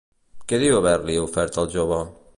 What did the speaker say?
Què diu haver-li ofert al jove?